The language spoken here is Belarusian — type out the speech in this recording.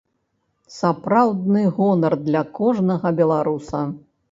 Сапраўдны гонар для кожнага беларуса.